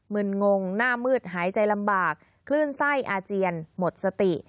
ึนงงหน้ามืดหายใจลำบากคลื่นไส้อาเจียนหมดสติ